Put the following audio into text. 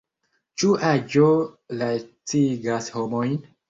Ĉu aĝo lacigas homojn?